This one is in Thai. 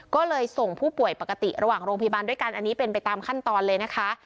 ก็เลยส่งผู้ป่วยปกติระหว่างโรงพยาบาลด้วยกันอันนี้เป็นไปตามขั้นตอนเลยนะคะ